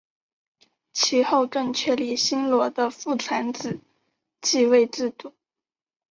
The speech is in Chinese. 其后更确立新罗的父传子继位制度。